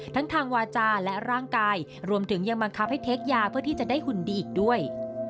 ทั้งทางวาจาและร่างกายรวมถึงยังบังคับให้เทคยาเพื่อที่จะได้หุ่นดีอีกด้วย